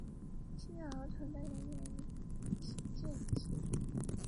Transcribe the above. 服从德川家康而成为大名的太田氏支流则不能判断是否属于此流。